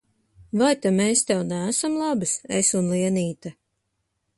Vai ta mēs tev neesam labas, es un Lienīte?